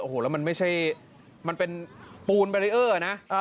โอ้โหแล้วมันไม่ใช่มันเป็นปูนแบรีเออร์นะ